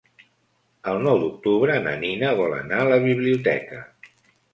El nou d'octubre na Nina vol anar a la biblioteca.